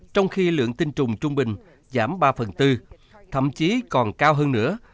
trong khi lượng tinh trùng trung bình giảm ba phần bốn thậm chí còn cao hơn nữa